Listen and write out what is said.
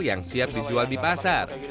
yang siap dijual di pasar